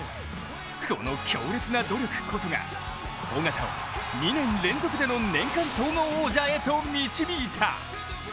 この強烈な努力こそが緒方を２年連続での年間総合王者へと導いた。